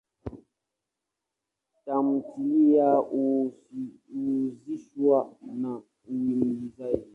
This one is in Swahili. Tamthilia huhusishwa na uigizaji.